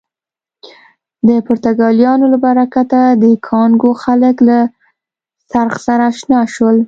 د پرتګالیانو له برکته د کانګو خلک له څرخ سره اشنا شول.